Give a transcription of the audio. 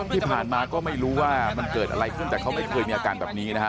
ที่ผ่านมาก็ไม่รู้ว่ามันเกิดอะไรขึ้นแต่เขาไม่เคยมีอาการแบบนี้นะฮะ